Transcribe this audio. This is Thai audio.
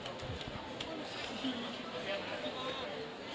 จริงที่ที่นี่จริงมากผมจะหลวงกัน